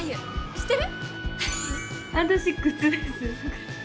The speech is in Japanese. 知ってる？